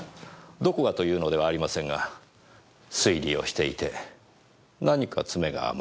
どこがというのではありませんが推理をしていて何か詰めが甘い。